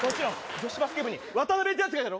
女子バスケ部に渡辺ってやつがいただろ。